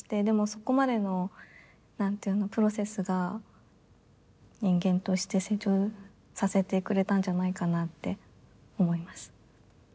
でもそこまでのプロセスが人間として成長させてくれたんじゃないかなって思います。